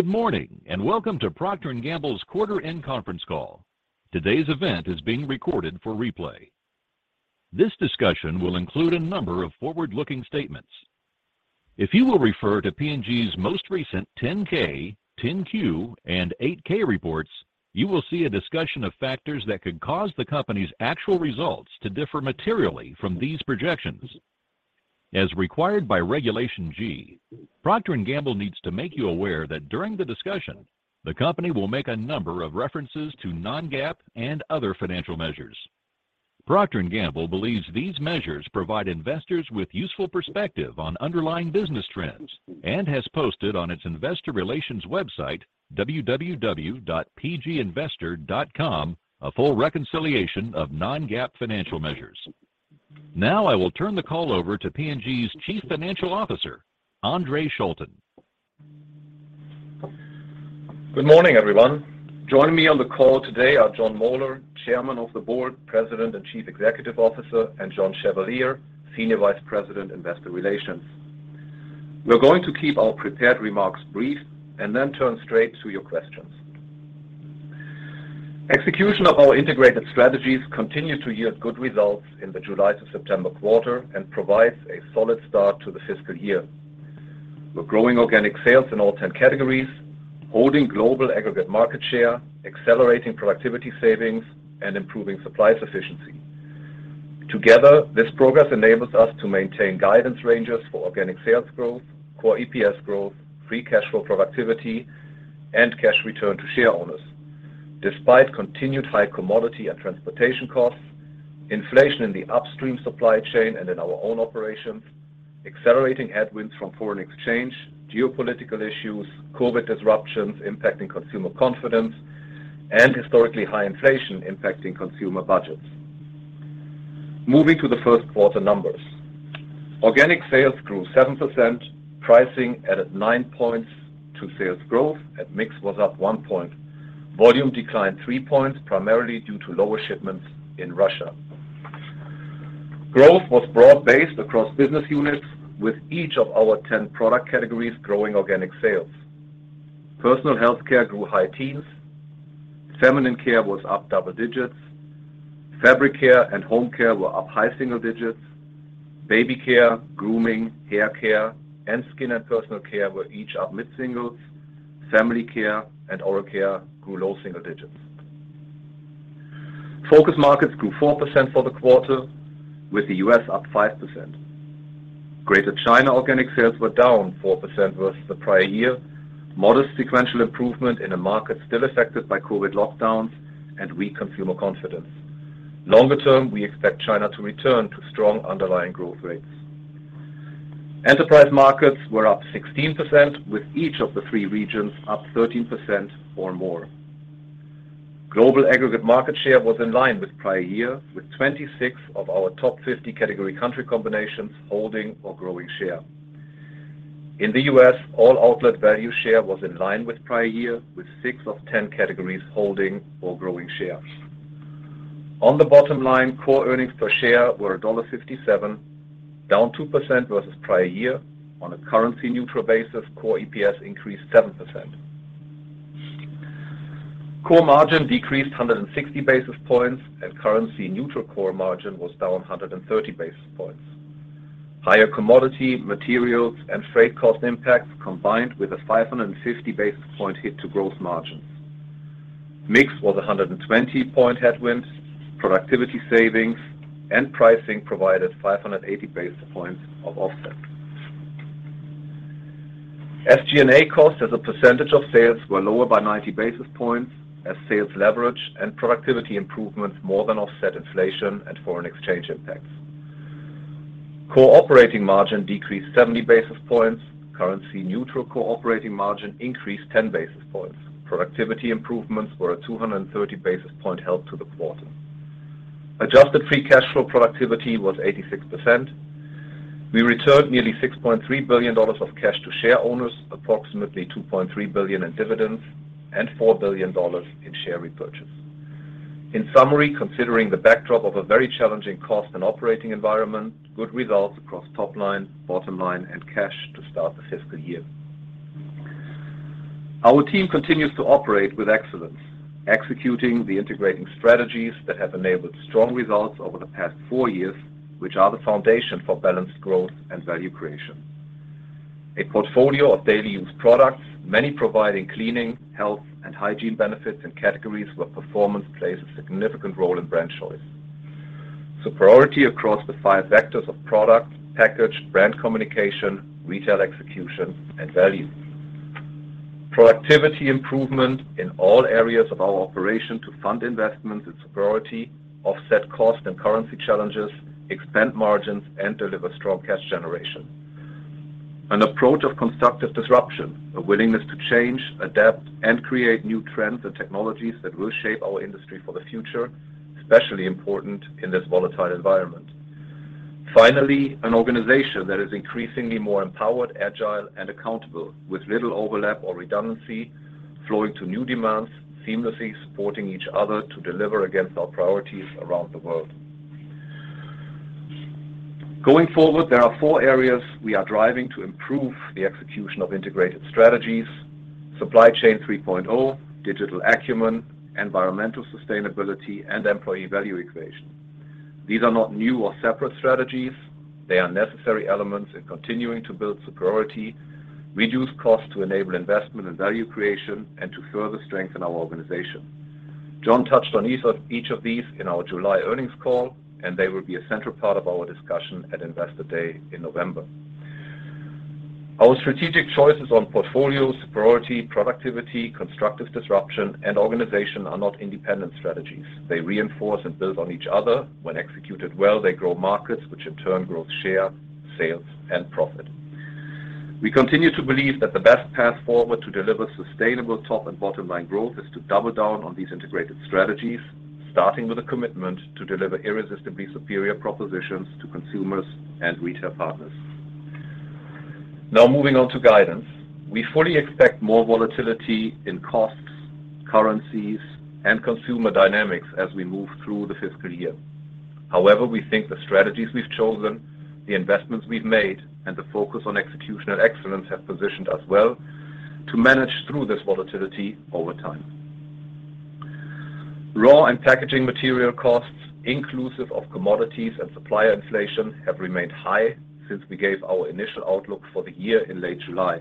Good morning, and welcome to Procter & Gamble's quarter end conference call. Today's event is being recorded for replay. This discussion will include a number of forward-looking statements. If you will refer to P&G's most recent 10-K, 10-Q, and 8-K reports, you will see a discussion of factors that could cause the company's actual results to differ materially from these projections. As required by Regulation G, Procter & Gamble needs to make you aware that during the discussion, the company will make a number of references to non-GAAP and other financial measures. Procter & Gamble believes these measures provide investors with useful perspective on underlying business trends and has posted on its investor relations website, www.pginvestor.com, a full reconciliation of non-GAAP financial measures. Now I will turn the call over to P&G's Chief Financial Officer, Andre Schulten. Good morning, everyone. Joining me on the call today are Jon R. Moeller, Chairman of the Board, President, and Chief Executive Officer, and John Chevalier, Senior Vice President, Investor Relations. We're going to keep our prepared remarks brief and then turn straight to your questions. Execution of our integrated strategies continued to yield good results in the July to September quarter and provides a solid start to the fiscal year. We're growing organic sales in all 10 categories, holding global aggregate market share, accelerating productivity savings, and improving supply sufficiency. Together, this progress enables us to maintain guidance ranges for organic sales growth, core EPS growth, free cash flow productivity, and cash return to shareowners, despite continued high commodity and transportation costs, inflation in the upstream supply chain and in our own operations, accelerating headwinds from foreign exchange, geopolitical issues, COVID disruptions impacting consumer confidence, and historically high inflation impacting consumer budgets. Moving to the first quarter numbers. Organic sales grew 7%, pricing added 9 points to sales growth, and mix was up 1 point. Volume declined 3 points, primarily due to lower shipments in Russia. Growth was broad-based across business units, with each of our 10 product categories growing organic sales. Personal Health Care grew high teens. Feminine Care was up double digits. Fabric Care and Home Care were up high single digits. Baby Care, Grooming, Hair Care, and Skin and Personal Care were each up mid-singles. Family Care and Oral Care grew low single digits. Focus markets grew 4% for the quarter, with the U.S. up 5%. Greater China organic sales were down 4% versus the prior year. Modest sequential improvement in a market still affected by COVID lockdowns and weak consumer confidence. Longer term, we expect China to return to strong underlying growth rates. Enterprise markets were up 16%, with each of the three regions up 13% or more. Global aggregate market share was in line with prior year, with 26 of our top 50 category country combinations holding or growing share. In the U.S., all outlet value share was in line with prior year, with 6 of 10 categories holding or growing share. On the bottom line, core earnings per share were $1.57, down 2% versus prior year. On a currency-neutral basis, core EPS increased 7%. Core margin decreased 160 basis points, and currency-neutral core margin was down 130 basis points. Higher commodity, materials, and freight cost impacts combined with a 550 basis point hit to growth margins. Mix was a 120-point headwind. Productivity savings and pricing provided 580 basis points of offset. SG&A costs as a percentage of sales were lower by 90 basis points as sales leverage and productivity improvements more than offset inflation and foreign exchange impacts. Core operating margin decreased 70 basis points. Currency-neutral core operating margin increased 10 basis points. Productivity improvements were a 230 basis point help to the quarter. Adjusted free cash flow productivity was 86%. We returned nearly $6.3 billion of cash to shareowners, approximately $2.3 billion in dividends and $4 billion in share repurchase. In summary, considering the backdrop of a very challenging cost and operating environment, good results across top line, bottom line, and cash to start the fiscal year. Our team continues to operate with excellence, executing the integrated strategies that have enabled strong results over the past four years, which are the foundation for balanced growth and value creation. A portfolio of daily use products, many providing cleaning, health, and hygiene benefits in categories where performance plays a significant role in brand choice. Superiority across the five vectors of product, package, brand communication, retail execution, and value. Productivity improvement in all areas of our operation to fund investments in superiority, offset cost and currency challenges, expand margins, and deliver strong cash generation. An approach of constructive disruption, a willingness to change, adapt, and create new trends and technologies that will shape our industry for the future, especially important in this volatile environment. Finally, an organization that is increasingly more empowered, agile, and accountable with little overlap or redundancy, flowing to new demands, seamlessly supporting each other to deliver against our priorities around the world. Going forward, there are four areas we are driving to improve the execution of integrated strategies, Supply Chain 3.0, digital acumen, environmental sustainability, and employee value equation. These are not new or separate strategies. They are necessary elements in continuing to build superiority, reduce costs to enable investment and value creation, and to further strengthen our organization. John touched on each of these in our July earnings call, and they will be a central part of our discussion at Investor Day in November. Our strategic choices on portfolios, superiority, productivity, constructive disruption, and organization are not independent strategies. They reinforce and build on each other. When executed well, they grow markets, which in turn grows share, sales, and profit. We continue to believe that the best path forward to deliver sustainable top and bottom line growth is to double down on these integrated strategies, starting with a commitment to deliver irresistibly superior propositions to consumers and retail partners. Now moving on to guidance. We fully expect more volatility in costs, currencies, and consumer dynamics as we move through the fiscal year. However, we think the strategies we've chosen, the investments we've made, and the focus on executional excellence have positioned us well to manage through this volatility over time. Raw and packaging material costs, inclusive of commodities and supplier inflation, have remained high since we gave our initial outlook for the year in late July.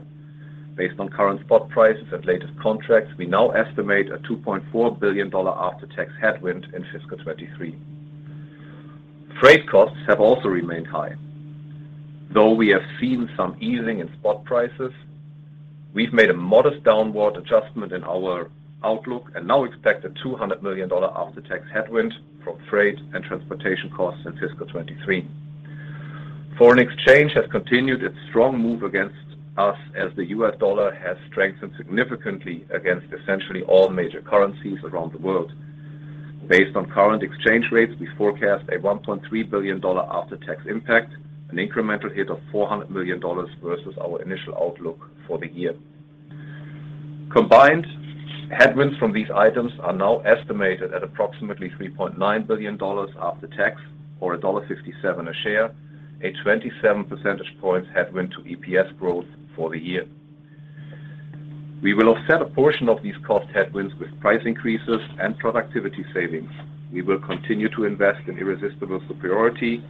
Based on current spot prices and latest contracts, we now estimate a $2.4 billion after-tax headwind in fiscal 2023. Freight costs have also remained high. Though we have seen some easing in spot prices, we've made a modest downward adjustment in our outlook and now expect a $200 million after-tax headwind from freight and transportation costs in fiscal 2023. Foreign exchange has continued its strong move against us as the US dollar has strengthened significantly against essentially all major currencies around the world. Based on current exchange rates, we forecast a $1.3 billion after-tax impact, an incremental hit of $400 million versus our initial outlook for the year. Combined headwinds from these items are now estimated at approximately $3.9 billion after tax or $1.67 a share, a 27 percentage points headwind to EPS growth for the year. We will offset a portion of these cost headwinds with price increases and productivity savings. We will continue to invest in irresistible superiority,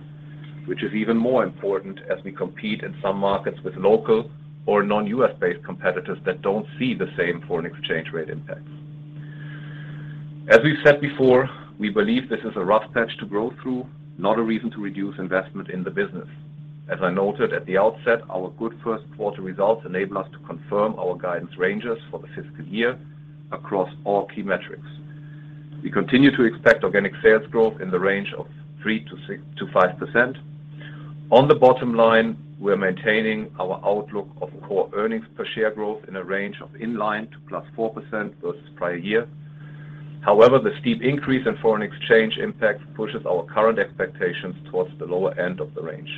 which is even more important as we compete in some markets with local or non-US-based competitors that don't see the same foreign exchange rate impacts. As we've said before, we believe this is a rough patch to grow through, not a reason to reduce investment in the business. As I noted at the outset, our good first quarter results enable us to confirm our guidance ranges for the fiscal year across all key metrics. We continue to expect organic sales growth in the range of 3%-5%. On the bottom line, we're maintaining our outlook of core earnings per share growth in a range of in line to +4% versus prior year. However, the steep increase in foreign exchange impact pushes our current expectations towards the lower end of the range.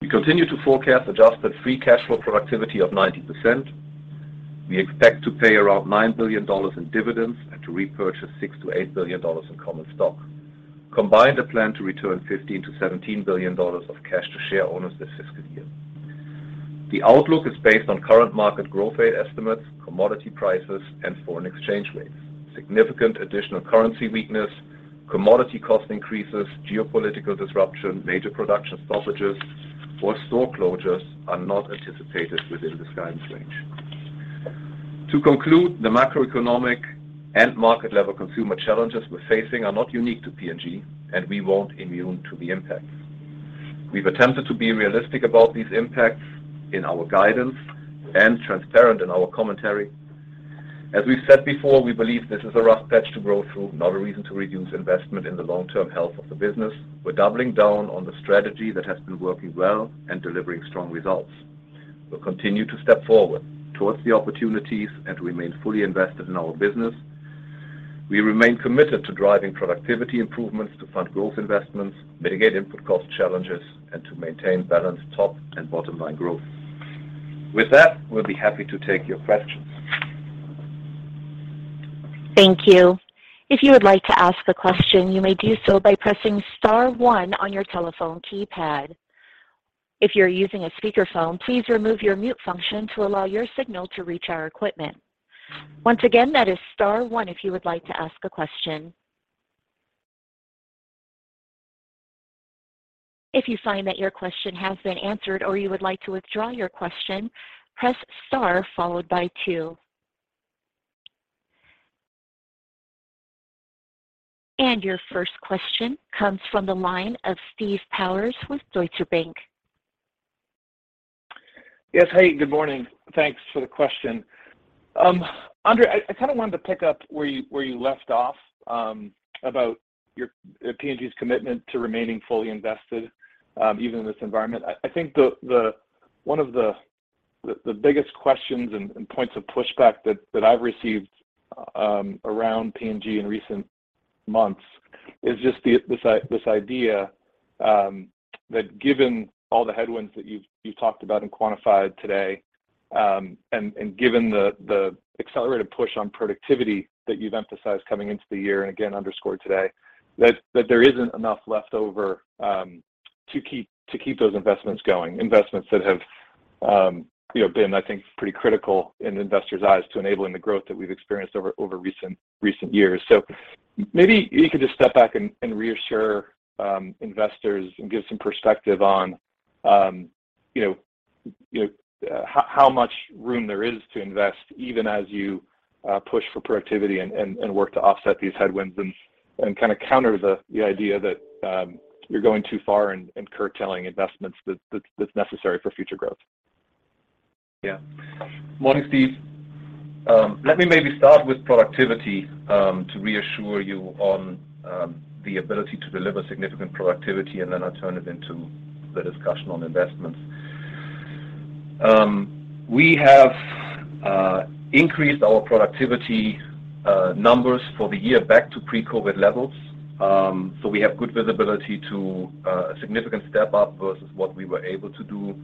We continue to forecast adjusted free cash flow productivity of 90%. We expect to pay around $9 billion in dividends and to repurchase $6 billion-$8 billion in common stock. Combined, a plan to return $15 billion-$17 billion of cash to share owners this fiscal year. The outlook is based on current market growth rate estimates, commodity prices, and foreign exchange rates. Significant additional currency weakness, commodity cost increases, geopolitical disruption, major production stoppages or store closures are not anticipated within this guidance range. To conclude, the macroeconomic and market-level consumer challenges we're facing are not unique to P&G, and we're not immune to the impacts. We've attempted to be realistic about these impacts in our guidance and transparent in our commentary. As we've said before, we believe this is a rough patch to grow through, not a reason to reduce investment in the long-term health of the business. We're doubling down on the strategy that has been working well and delivering strong results. We'll continue to step forward towards the opportunities and remain fully invested in our business. We remain committed to driving productivity improvements to fund growth investments, mitigate input cost challenges, and to maintain balanced top and bottom line growth. With that, we'll be happy to take your question. Thank you. If you would like to ask a question, you may do so by pressing star one on your telephone keypad. If you're using a speakerphone, please remove your mute function to allow your signal to reach our equipment. Once again, that is star one if you would like to ask a question. If you find that your question has been answered or you would like to withdraw your question, press star followed by two. Your first question comes from the line of Steve Powers with Deutsche Bank. Yes. Hey, good morning. Thanks for the question. Andre, I kind of wanted to pick up where you left off about P&G's commitment to remaining fully invested even in this environment. I think one of the biggest questions and points of pushback that I've received around P&G in recent months is just this idea that given all the headwinds that you've talked about and quantified today, and given the accelerated push on productivity that you've emphasized coming into the year, and again underscored today, that there isn't enough left over to keep those investments going. Investments that have, you know, been, I think, pretty critical in investors' eyes to enabling the growth that we've experienced over recent years. Maybe you could just step back and reassure investors and give some perspective on you know how much room there is to invest even as you push for productivity and work to offset these headwinds and kinda counter the idea that you're going too far in curtailing investments that's necessary for future growth. Yeah. Morning, Steve. Let me maybe start with productivity to reassure you on the ability to deliver significant productivity, and then I'll turn it into the discussion on investments. We have increased our productivity numbers for the year back to pre-COVID levels. We have good visibility to a significant step up versus what we were able to do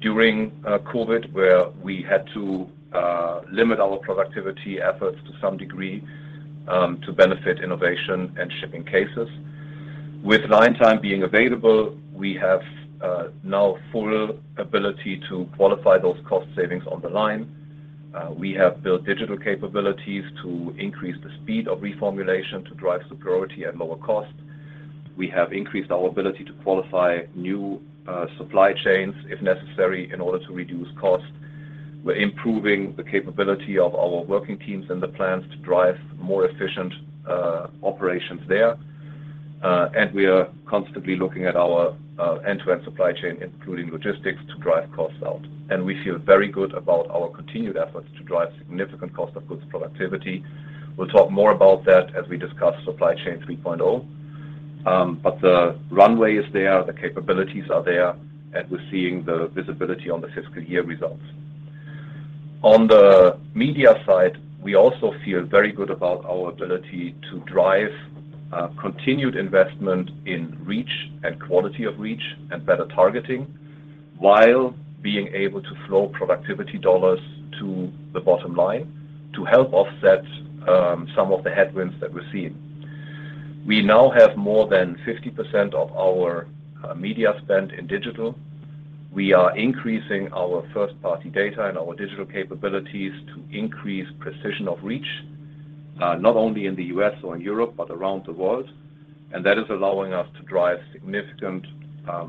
during COVID, where we had to limit our productivity efforts to some degree to benefit innovation and shipping cases. With line time being available, we have now full ability to qualify those cost savings on the line. We have built digital capabilities to increase the speed of reformulation to drive superiority at lower cost. We have increased our ability to qualify new supply chains if necessary in order to reduce cost. We're improving the capability of our working teams and the plans to drive more efficient operations there. We are constantly looking at our end-to-end supply chain, including logistics, to drive costs out. We feel very good about our continued efforts to drive significant cost of goods productivity. We'll talk more about that as we discuss Supply Chain 3.0. The runway is there, the capabilities are there, and we're seeing the visibility on the fiscal year results. On the media side, we also feel very good about our ability to drive continued investment in reach and quality of reach and better targeting while being able to flow productivity dollars to the bottom line to help offset some of the headwinds that we're seeing. We now have more than 50% of our media spend in digital. We are increasing our first-party data and our digital capabilities to increase precision of reach, not only in the US or in Europe, but around the world. That is allowing us to drive significant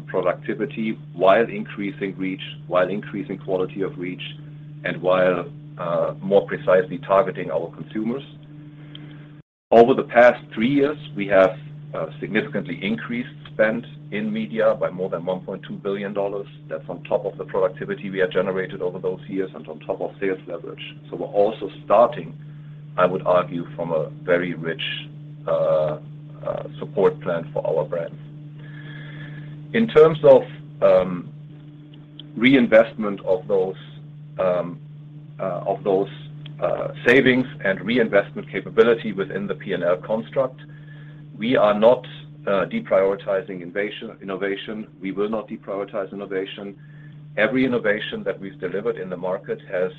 productivity while increasing reach, while increasing quality of reach, and while more precisely targeting our consumers. Over the past three years, we have significantly increased spend in media by more than $1.2 billion. That's on top of the productivity we have generated over those years and on top of sales leverage. We're also starting, I would argue, from a very rich support plan for our brands. In terms of reinvestment of those savings and reinvestment capability within the P&L construct, we are not deprioritizing innovation. We will not deprioritize innovation. Every innovation that we've delivered in the market has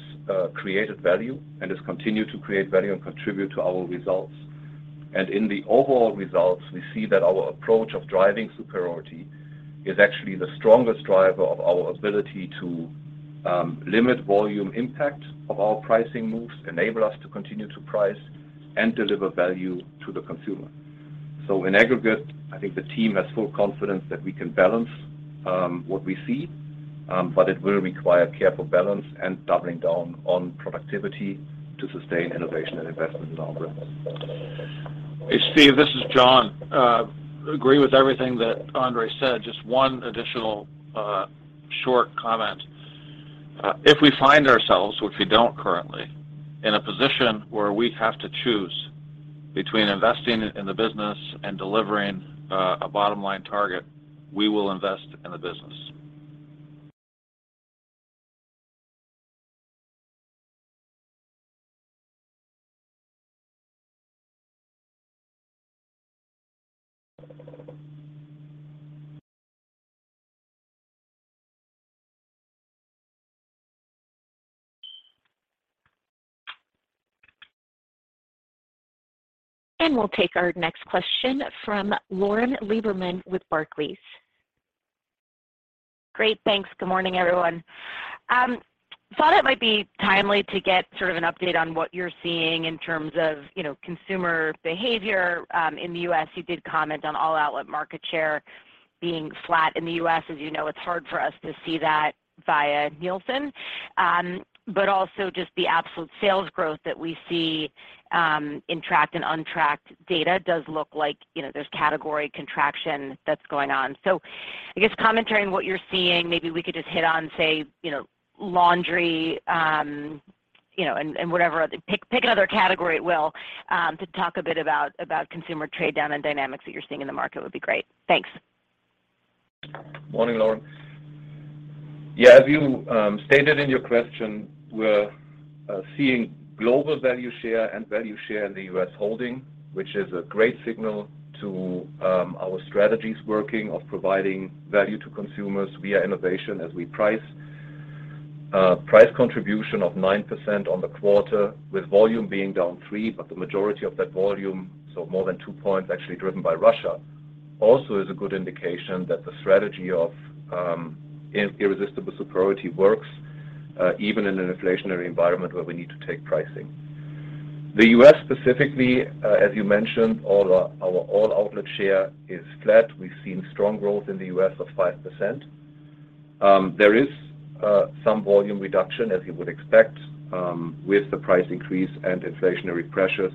created value and has continued to create value and contribute to our results. In the overall results, we see that our approach of driving superiority is actually the strongest driver of our ability to limit volume impact of our pricing moves, enable us to continue to price and deliver value to the consumer. In aggregate, I think the team has full confidence that we can balance what we see, but it will require careful balance and doubling down on productivity to sustain innovation and investment in our brands. Hey, Steve Powers, this is John Chevalier. Agree with everything that Andre Schulten said. Just one additional short comment. If we find ourselves, which we don't currently, in a position where we have to choose between investing in the business and delivering a bottom-line target, we will invest in the business. We'll take our next question from Lauren Lieberman with Barclays. Great. Thanks. Good morning, everyone. Thought it might be timely to get sort of an update on what you're seeing in terms of, you know, consumer behavior, in the U.S. You did comment on all outlet market share being flat in the U.S. As you know, it's hard for us to see that via Nielsen. But also just the absolute sales growth that we see, in tracked and untracked data does look like, you know, there's category contraction that's going on. I guess commentary on what you're seeing, maybe we could just hit on, say, you know, laundry, you know, and whatever. Pick another category at will, to talk a bit about consumer trade down and dynamics that you're seeing in the market would be great. Thanks. Morning, Lauren. Yeah, as you stated in your question, we're seeing global value share and value share in the US holding, which is a great signal to our strategies working of providing value to consumers via innovation as we price. Price contribution of 9% on the quarter with volume being down 3, but the majority of that volume, so more than 2 points actually driven by Russia, also is a good indication that the strategy of irresistible superiority works, even in an inflationary environment where we need to take pricing. The US specifically, as you mentioned, all our all outlet share is flat. We've seen strong growth in the US of 5%. There is some volume reduction as you would expect, with the price increase and inflationary pressures.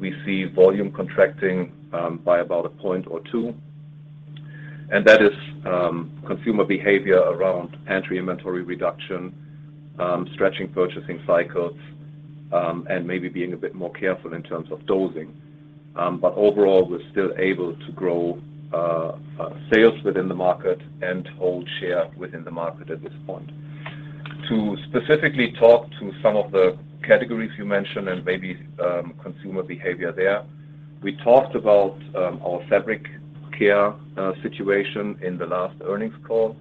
We see volume contracting by about 1% or 2%. That is consumer behavior around pantry inventory reduction stretching purchasing cycles and maybe being a bit more careful in terms of dosing. Overall, we're still able to grow sales within the market and hold share within the market at this point. To specifically talk to some of the categories you mentioned and maybe consumer behavior there, we talked about our Fabric Care situation in the last earnings call,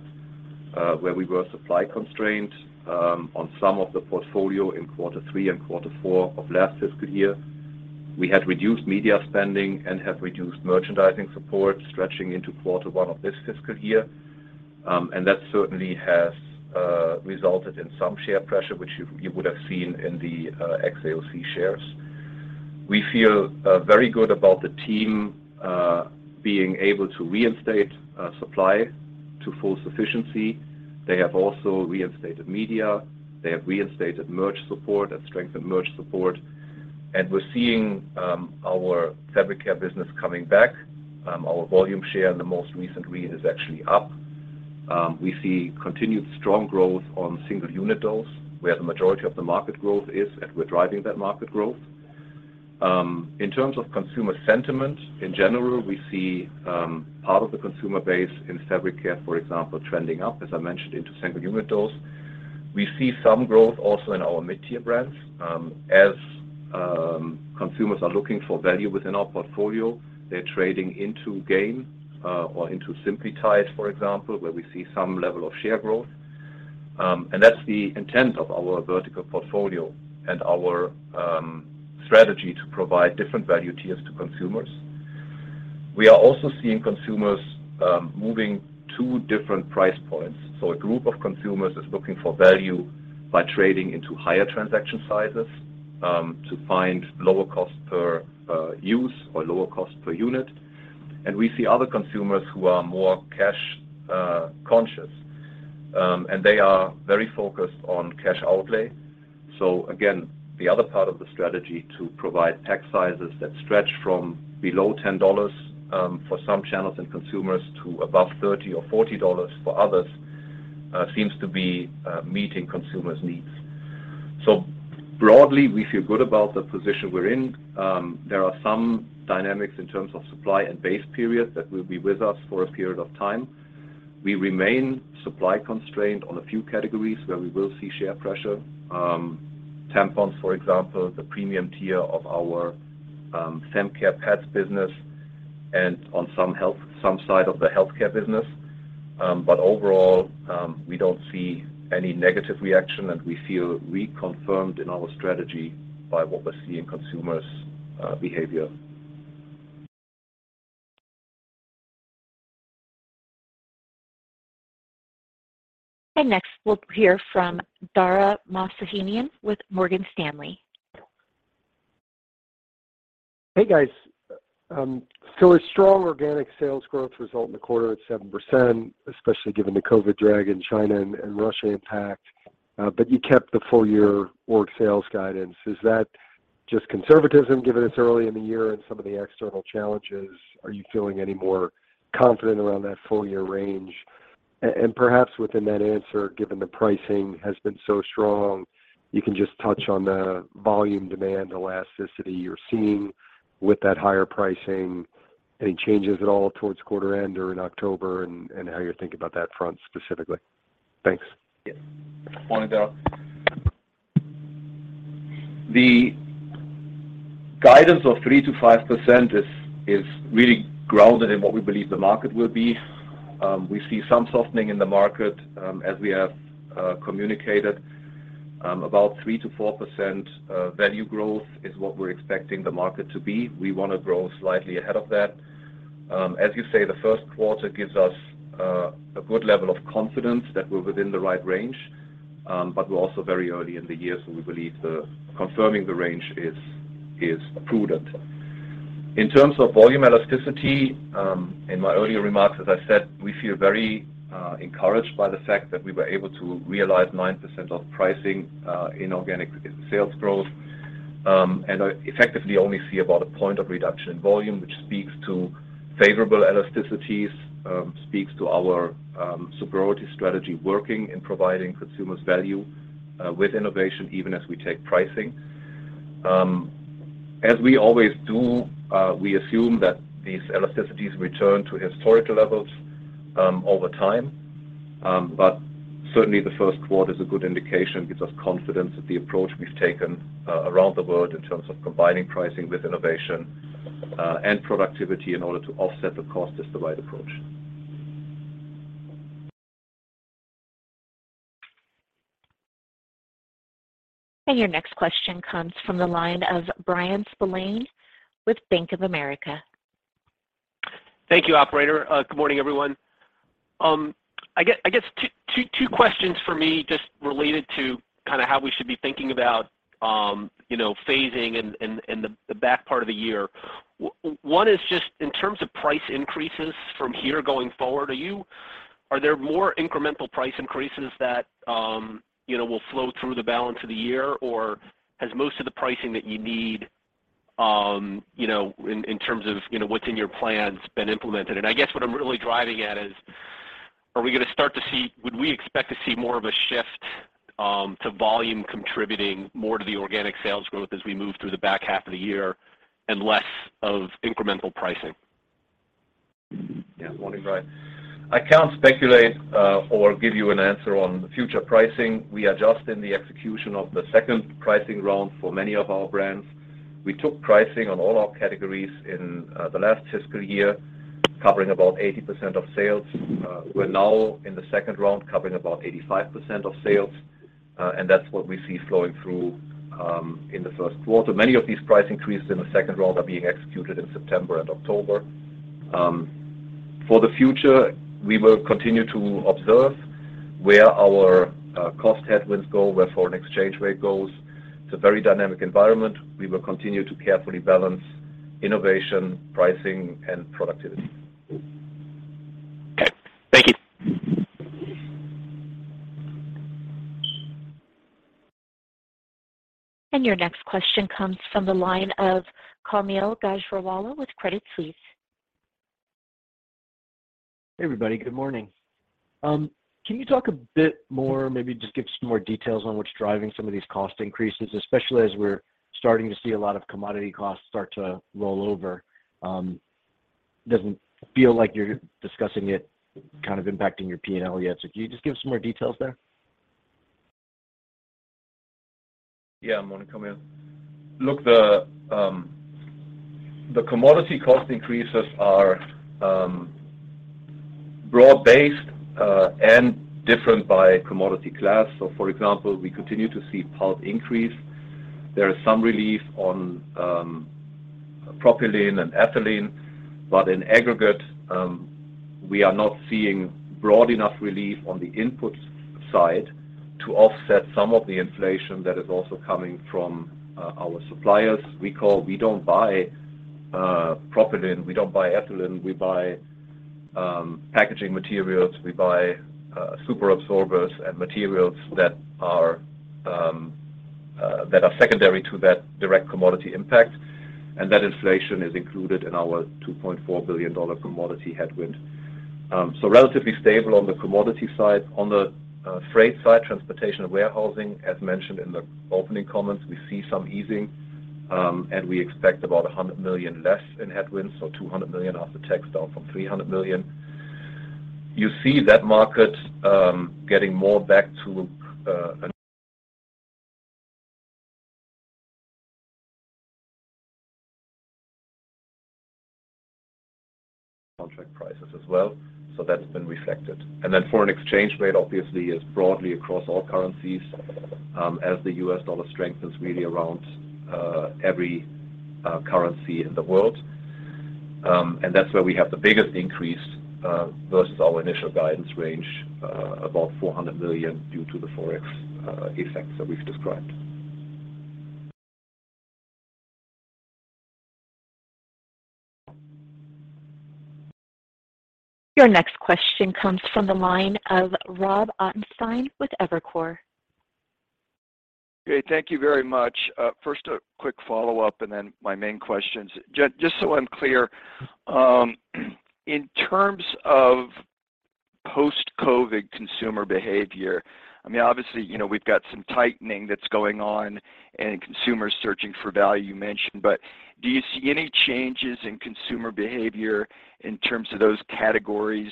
where we were supply constrained on some of the portfolio in quarter three and quarter four of last fiscal year. We had reduced media spending and have reduced merchandising support stretching into quarter one of this fiscal year. That certainly has resulted in some share pressure, which you would have seen in the XAOC shares. We feel very good about the team being able to reinstate supply to full sufficiency. They have also reinstated media. They have reinstated merch support. That's strengthened merch support. We're seeing our Fabric Care business coming back. Our volume share in the most recent read is actually up. We see continued strong growth on single unit dose, where the majority of the market growth is, and we're driving that market growth. In terms of consumer sentiment, in general, we see part of the consumer base in Fabric Care, for example, trending up, as I mentioned, into single unit dose. We see some growth also in our mid-tier brands. As consumers are looking for value within our portfolio, they're trading into Gain or into Tide Simply, for example, where we see some level of share growth. That's the intent of our vertical portfolio and our strategy to provide different value tiers to consumers. We are also seeing consumers moving to different price points. A group of consumers is looking for value by trading into higher transaction sizes to find lower cost per use or lower cost per unit. We see other consumers who are more cash conscious and they are very focused on cash outlay. Again, the other part of the strategy to provide pack sizes that stretch from below $10 for some channels and consumers to above $30 or $40 for others seems to be meeting consumers' needs. Broadly, we feel good about the position we're in. There are some dynamics in terms of supply and base periods that will be with us for a period of time. We remain supply constrained on a few categories where we will see share pressure. Tampons, for example, the premium tier of our fem care pads business and on some side of the healthcare business. Overall, we don't see any negative reaction, and we feel reconfirmed in our strategy by what we're seeing consumers behavior. Next, we'll hear from Dara Mohsenian with Morgan Stanley. Hey, guys. A strong organic sales growth result in the quarter at 7%, especially given the COVID drag in China and Russia impact. You kept the full-year org sales guidance. Is that just conservatism given it's early in the year and some of the external challenges? Are you feeling any more confident around that full-year range? Perhaps within that answer, given the pricing has been so strong, you can just touch on the volume demand elasticity you're seeing with that higher pricing. Any changes at all towards quarter end or in October and how you're thinking about that front specifically? Thanks. Yeah. Morning, Dara. The guidance of 3%-5% is really grounded in what we believe the market will be. We see some softening in the market, as we have communicated. About 3%-4% value growth is what we're expecting the market to be. We wanna grow slightly ahead of that. As you say, the first quarter gives us a good level of confidence that we're within the right range, but we're also very early in the year, so we believe confirming the range is prudent. In terms of volume elasticity, in my earlier remarks, as I said, we feel very encouraged by the fact that we were able to realize 9% of pricing in organic sales growth. I effectively only see about a point of reduction in volume, which speaks to favorable elasticities, speaks to our superiority strategy working and providing consumers value, with innovation even as we take pricing. As we always do, we assume that these elasticities return to historical levels over time. Certainly the first quarter is a good indication, gives us confidence that the approach we've taken around the world in terms of combining pricing with innovation and productivity in order to offset the cost is the right approach. Your next question comes from the line of Bryan Spillane with Bank of America. Thank you, operator. Good morning, everyone. I guess two questions for me just related to kinda how we should be thinking about, you know, phasing and the back part of the year. One is just in terms of price increases from here going forward, are there more incremental price increases that, you know, will flow through the balance of the year? Or has most of the pricing that you need, you know, in terms of what's in your plans been implemented? And I guess what I'm really driving at is, would we expect to see more of a shift to volume contributing more to the organic sales growth as we move through the back half of the year and less of incremental pricing? Yeah. Morning, Bryan. I can't speculate or give you an answer on the future pricing. We are just in the execution of the second pricing round for many of our brands. We took pricing on all our categories in the last fiscal year, covering about 80% of sales. We're now in the second round, covering about 85% of sales, and that's what we see flowing through in the first quarter. Many of these price increases in the second round are being executed in September and October. For the future, we will continue to observe where our cost headwinds go, where foreign exchange rate goes. It's a very dynamic environment. We will continue to carefully balance innovation, pricing, and productivity. Okay. Thank you. Your next question comes from the line of Kaumil Gajrawala with Credit Suisse. Hey, everybody. Good morning. Can you talk a bit more, maybe just give some more details on what's driving some of these cost increases, especially as we're starting to see a lot of commodity costs start to roll over? Doesn't feel like you're discussing it kind of impacting your P&L yet. Can you just give some more details there? Yeah, morning, Kaumil. Look, the commodity cost increases are broad-based and different by commodity class. For example, we continue to see pulp increase. There is some relief on propylene and ethylene, but in aggregate, we are not seeing broad enough relief on the input side to offset some of the inflation that is also coming from our suppliers. We don't buy propylene. We don't buy ethylene. We buy packaging materials. We buy super absorbers and materials that are secondary to that direct commodity impact. That inflation is included in our $2.4 billion commodity headwind. Relatively stable on the commodity side. On the freight side, transportation and warehousing, as mentioned in the opening comments, we see some easing, and we expect about $100 million less in headwinds, so $200 million after tax, down from $300 million. You see that market getting more back to contract prices as well. That's been reflected. Foreign exchange rate obviously is broadly across all currencies, as the US dollar strengthens really around every currency in the world. That's where we have the biggest increase versus our initial guidance range, about $400 million due to the Forex effects that we've described. Your next question comes from the line of Robert Ottenstein with Evercore. Great. Thank you very much. First, a quick follow-up, and then my main questions. Just so I'm clear, in terms of post-COVID consumer behavior, I mean, obviously, you know, we've got some tightening that's going on and consumers searching for value, you mentioned. But do you see any changes in consumer behavior in terms of those categories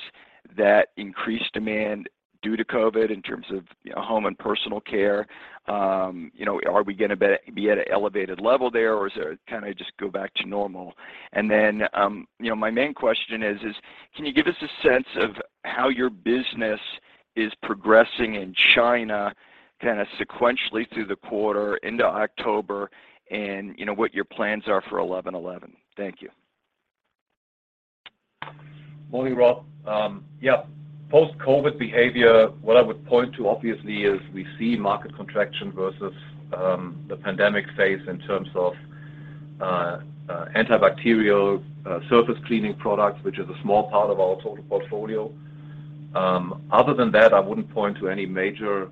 that increased demand due to COVID in terms of, you know, home and personal care? You know, are we gonna be at an elevated level there, or is it kinda just go back to normal? And then, you know, my main question is, can you give us a sense of how your business is progressing in China kinda sequentially through the quarter into October and, you know, what your plans are for eleven-eleven? Thank you. Morning, Rob. Yeah. Post-COVID behavior, what I would point to obviously is we see market contraction versus the pandemic phase in terms of antibacterial surface cleaning products, which is a small part of our total portfolio. Other than that, I wouldn't point to any major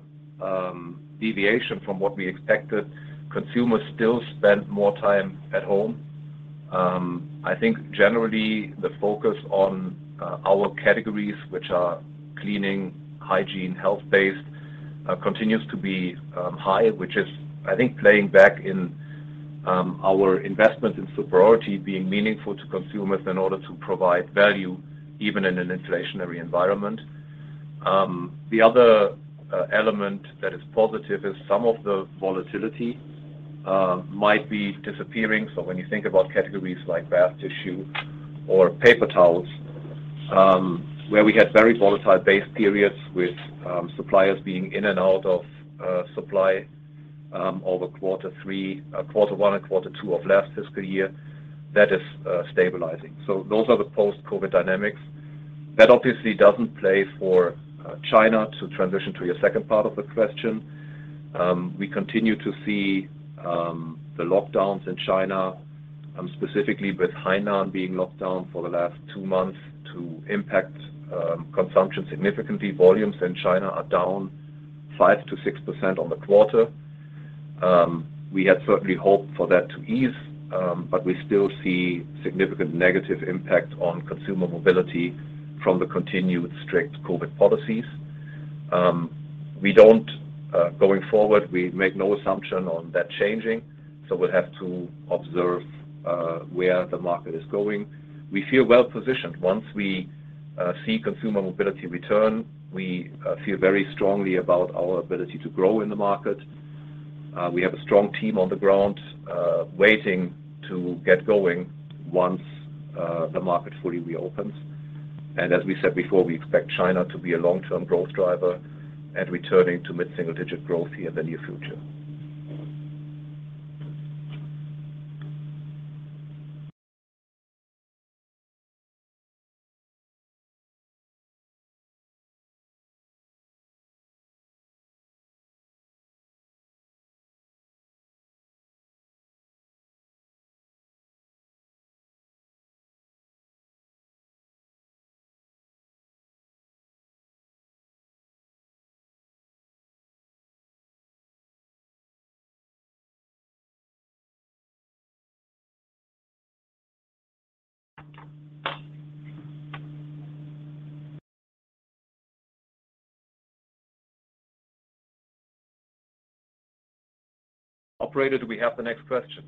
deviation from what we expected. Consumers still spend more time at home. I think generally the focus on our categories, which are cleaning, hygiene, health-based, continues to be high, which is I think playing back in our investment in superiority being meaningful to consumers in order to provide value even in an inflationary environment. The other element that is positive is some of the volatility might be disappearing. When you think about categories like bath tissue or paper towels, where we had very volatile base periods with suppliers being in and out of supply over quarter 1 and quarter 2 of last fiscal year, that is stabilizing. Those are the post-COVID dynamics. That obviously doesn't play for China. To transition to your second part of the question, we continue to see the lockdowns in China, specifically with Hainan being locked down for the last 2 months, to impact consumption significantly. Volumes in China are down 5%-6% on the quarter. We had certainly hoped for that to ease, but we still see significant negative impact on consumer mobility from the continued strict COVID policies. We don't. Going forward, we make no assumption on that changing, so we'll have to observe where the market is going. We feel well-positioned. Once we see consumer mobility return, we feel very strongly about our ability to grow in the market. We have a strong team on the ground, waiting to get going once the market fully reopens. As we said before, we expect China to be a long-term growth driver and returning to mid-single-digit growth here in the near future. Operator, do we have the next question?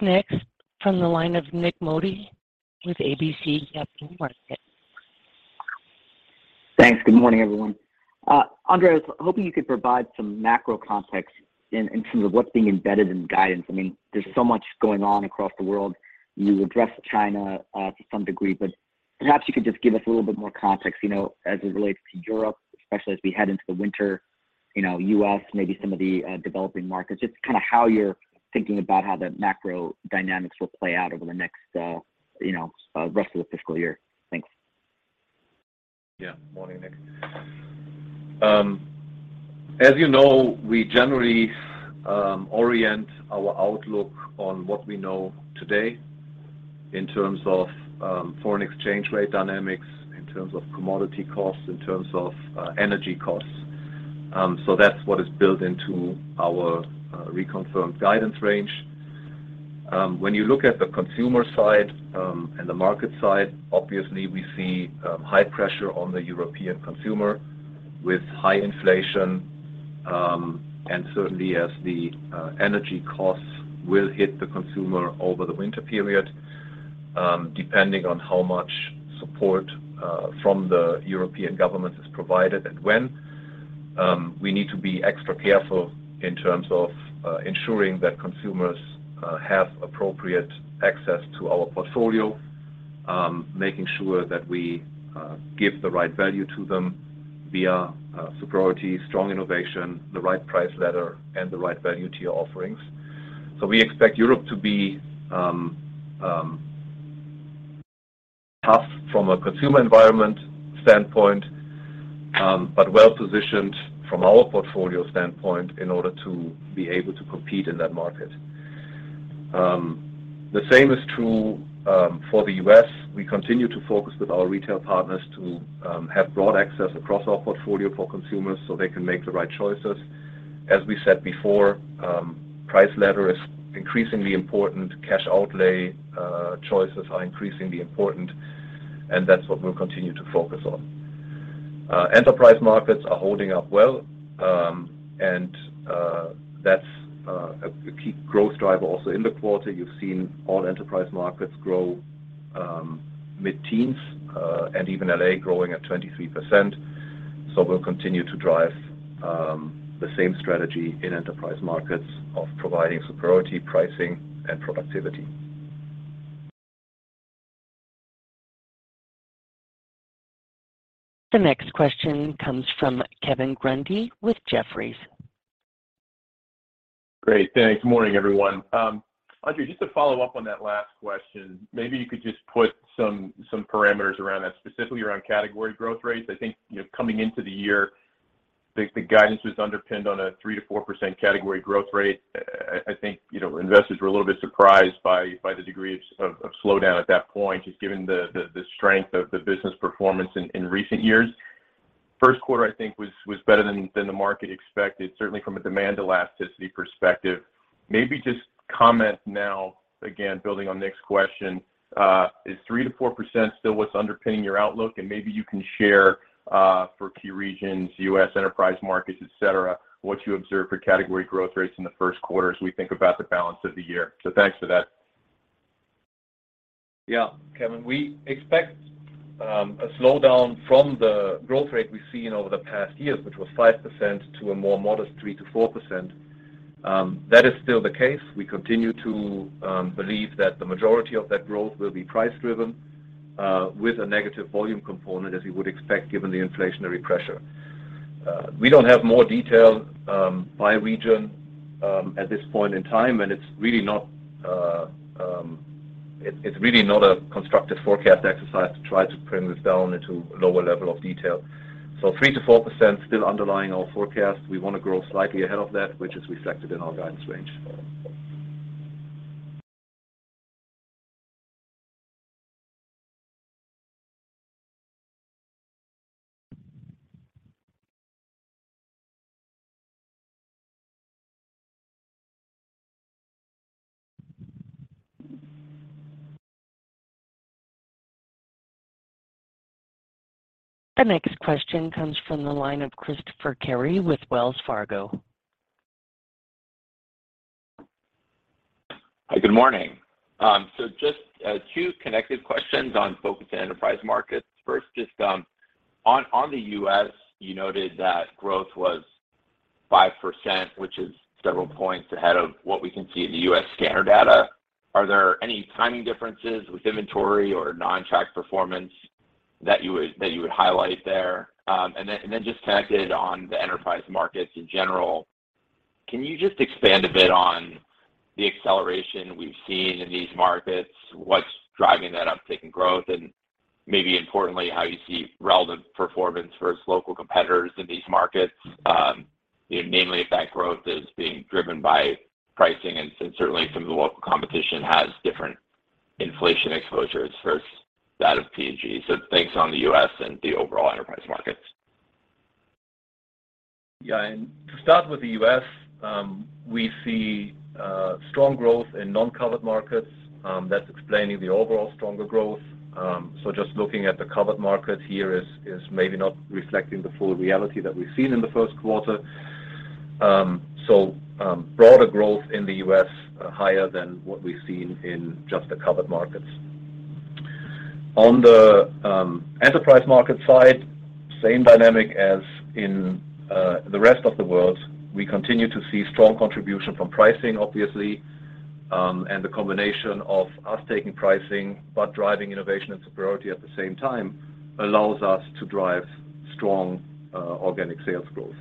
Next from the line of Nik Modi with RBC Capital Markets. Thanks. Good morning, everyone. Andre Schulten, hoping you could provide some macro context in terms of what's being embedded in guidance. I mean, there's so much going on across the world. You addressed China to some degree, but perhaps you could just give us a little bit more context, you know, as it relates to Europe, especially as we head into the winter, you know, U.S., maybe some of the developing markets, just kinda how you're thinking about how the macro dynamics will play out over the next, you know, rest of the fiscal year. Thanks. Yeah. Morning, Nik. As you know, we generally orient our outlook on what we know today in terms of foreign exchange rate dynamics, in terms of commodity costs, in terms of energy costs. So that's what is built into our reconfirmed guidance range. When you look at the consumer side and the market side, obviously we see high pressure on the European consumer with high inflation, and certainly as the energy costs will hit the consumer over the winter period, depending on how much support from the European government is provided and when. We need to be extra careful in terms of ensuring that consumers have appropriate access to our portfolio, making sure that we give the right value to them via superiority, strong innovation, the right price ladder, and the right value tier offerings. We expect Europe to be tough from a consumer environment standpoint, but well-positioned from our portfolio standpoint in order to be able to compete in that market. The same is true for the U.S. We continue to focus with our retail partners to have broad access across our portfolio for consumers, so they can make the right choices. As we said before, price ladder is increasingly important. Cash outlay choices are increasingly important, and that's what we'll continue to focus on. Enterprise markets are holding up well, and that's a key growth driver also in the quarter. You've seen all enterprise markets grow mid-teens, and even L.A. growing at 23%. We'll continue to drive the same strategy in enterprise markets of providing superiority pricing and productivity. The next question comes from Kevin Grundy with Jefferies. Great. Thanks. Morning, everyone. Andre, just to follow up on that last question, maybe you could just put some parameters around that, specifically around category growth rates. I think, you know, coming into the year, the guidance was underpinned on a 3%-4% category growth rate. I think, you know, investors were a little bit surprised by the degree of slowdown at that point, just given the strength of the business performance in recent years. First quarter, I think, was better than the market expected, certainly from a demand elasticity perspective. Maybe just comment now, again, building on Nick's question, is 3%-4% still what's underpinning your outlook? Maybe you can share for key regions, U.S. enterprise markets, et cetera, what you observed for category growth rates in the first quarter as we think about the balance of the year. Thanks for that. Yeah. Kevin, we expect a slowdown from the growth rate we've seen over the past years, which was 5% to a more modest 3%-4%. That is still the case. We continue to believe that the majority of that growth will be price driven, with a negative volume component, as you would expect, given the inflationary pressure. We don't have more detail by region at this point in time, and it's really not a constructive forecast exercise to try to pin this down into lower level of detail. Three to four percent still underlying our forecast. We wanna grow slightly ahead of that, which is reflected in our guidance range. The next question comes from the line of Christopher Carey with Wells Fargo. Hi, good morning. Just two connected questions on focus and enterprise markets. First, just on the U.S., you noted that growth was 5%, which is several points ahead of what we can see in the U.S. scanner data. Are there any timing differences with inventory or non-track performance that you would highlight there? Then just connected on the enterprise markets in general, can you just expand a bit on the acceleration we've seen in these markets? What's driving that uptake in growth, and maybe importantly, how you see relative performance versus local competitors in these markets, namely if that growth is being driven by pricing, and since certainly some of the local competition has different inflation exposures versus that of P&G. Thanks on the U.S. and the overall enterprise markets. Yeah. To start with the U.S., we see strong growth in non-covered markets, that's explaining the overall stronger growth. Just looking at the covered market here is maybe not reflecting the full reality that we've seen in the first quarter. Broader growth in the U.S., higher than what we've seen in just the covered markets. On the enterprise market side, same dynamic as in the rest of the world. We continue to see strong contribution from pricing, obviously, and the combination of us taking pricing, but driving innovation and superiority at the same time allows us to drive strong organic sales growth.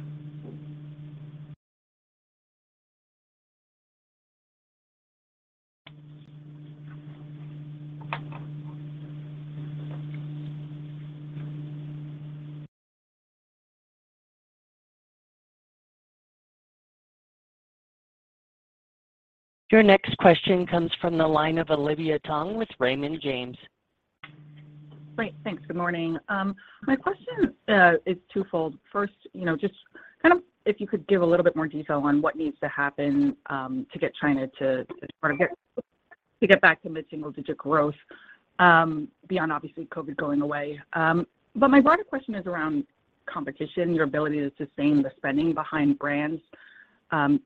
Your next question comes from the line of Olivia Tong with Raymond James. Great. Thanks. Good morning. My question is twofold. First, you know, just kind of if you could give a little bit more detail on what needs to happen to get China back to mid-single digit growth beyond obviously COVID going away. But my broader question is around competition, your ability to sustain the spending behind brands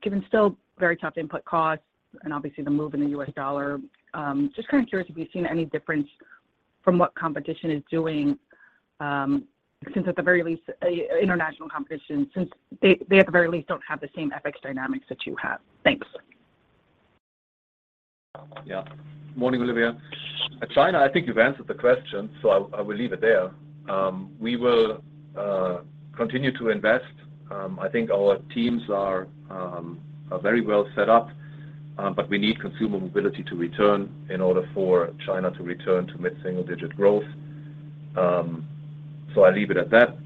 given still very tough input costs and obviously the move in the US dollar. Just kinda curious if you've seen any difference from what competition is doing since at the very least international competition since they at the very least don't have the same FX dynamics that you have. Thanks. Yeah. Morning, Olivia. In China, I think you've answered the question, so I will leave it there. We will continue to invest. I think our teams are very well set up, but we need consumer mobility to return in order for China to return to mid-single-digit growth. I leave it at that.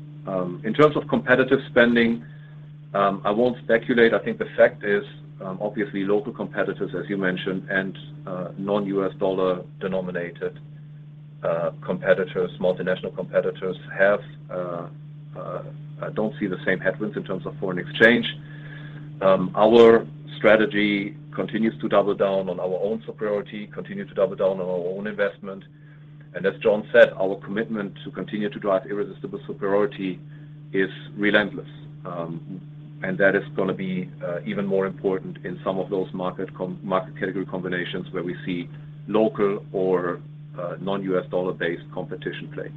In terms of competitive spending, I won't speculate. I think the fact is, obviously, local competitors, as you mentioned, and non-U.S. dollar-denominated competitors, multinational competitors don't see the same headwinds in terms of foreign exchange. Our strategy continues to double down on our own superiority, continue to double down on our own investment. As Jon said, our commitment to continue to drive irresistible superiority is relentless. That is gonna be even more important in some of those market category combinations where we see local or non-US dollar-based competition play.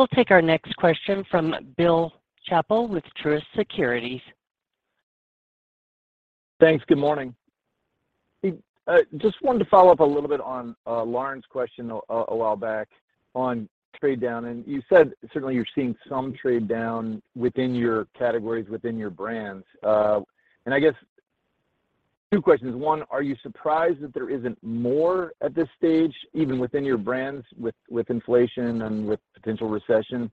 We'll take our next question from Bill Chappell with Truist Securities. Thanks. Good morning. Just wanted to follow up a little bit on Lauren's question a while back on trade down, and you said certainly you're seeing some trade down within your categories, within your brands. I guess two questions. One, are you surprised that there isn't more at this stage, even within your brands with inflation and with potential recession?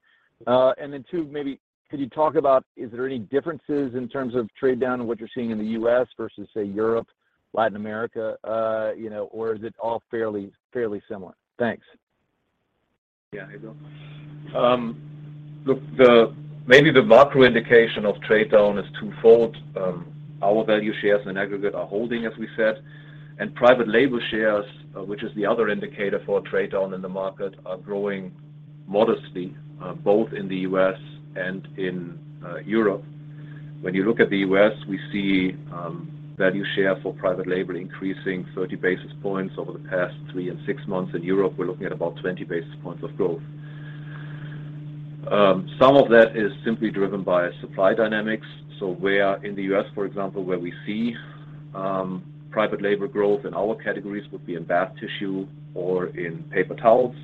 Two, maybe could you talk about is there any differences in terms of trade down and what you're seeing in the U.S. versus, say, Europe, Latin America, you know, or is it all fairly similar? Thanks. Yeah. Hey, Bill. Look, maybe the macro indication of trade down is twofold. Our value shares in aggregate are holding, as we said. Private label shares, which is the other indicator for trade down in the market, are growing modestly, both in the US and in Europe. When you look at the US, we see value share for private label increasing 30 basis points over the past 3 and 6 months. In Europe, we're looking at about 20 basis points of growth. Some of that is simply driven by supply dynamics. In the US, for example, where we see private label growth in our categories would be in bath tissue or in paper towels,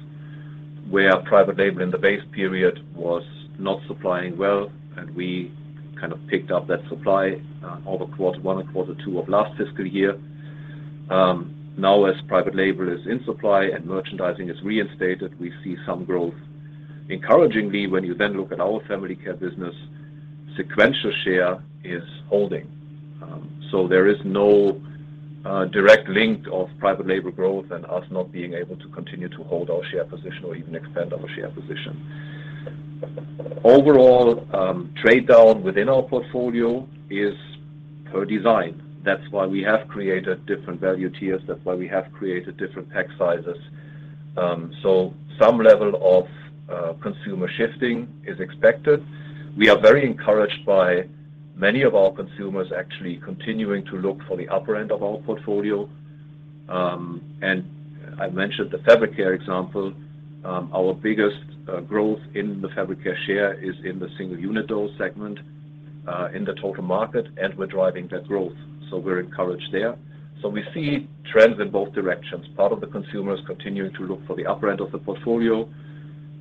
where private label in the base period was not supplying well, and we kind of picked up that supply over quarter one and quarter two of last fiscal year. Now, as private label is in supply and merchandising is reinstated, we see some growth. Encouragingly, when you then look at our Family Care business, sequential share is holding. There is no direct link of private label growth and us not being able to continue to hold our share position or even expand our share position. Overall, trade down within our portfolio is per design. That's why we have created different value tiers. That's why we have created different pack sizes. Some level of consumer shifting is expected. We are very encouraged by many of our consumers actually continuing to look for the upper end of our portfolio. I mentioned the Fabric Care example. Our biggest growth in the Fabric Care share is in the single unit dose segment in the total market, and we're driving that growth. We're encouraged there. We see trends in both directions. Part of the consumers continuing to look for the upper end of the portfolio.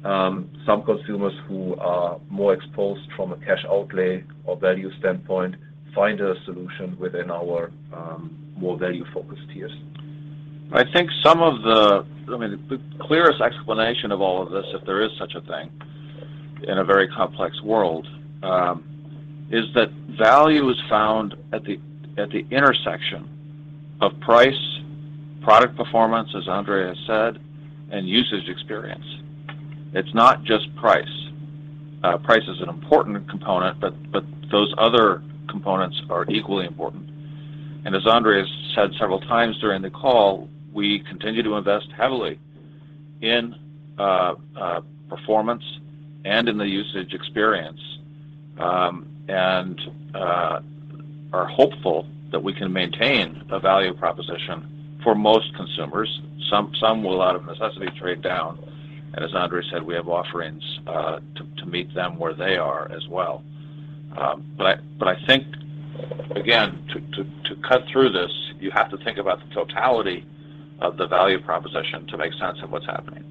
Some consumers who are more exposed from a cash outlay or value standpoint find a solution within our more value-focused tiers. I think some of the, I mean, the clearest explanation of all of this, if there is such a thing in a very complex world, is that value is found at the intersection of price, product performance, as Andreas said, and usage experience. It's not just price. Price is an important component, but those other components are equally important. As Andreas said several times during the call, we continue to invest heavily in performance and in the usage experience, and are hopeful that we can maintain a value proposition for most consumers. Some will out of necessity trade down. As Andreas said, we have offerings to meet them where they are as well. I think, again, to cut through this, you have to think about the totality of the value proposition to make sense of what's happening.